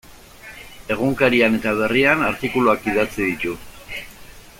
Egunkarian eta Berrian artikuluak idatzi ditu.